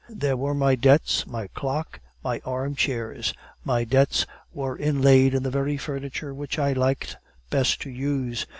There were my debts, my clock, my armchairs; my debts were inlaid in the very furniture which I liked best to use.